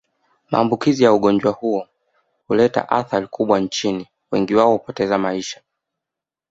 Maambukizi ya ugonjwa huo huleta athari kubwa Nchini wengi wao hupoteza maisha